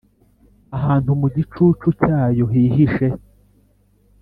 ahantu mu gicucu cyayo hihishe;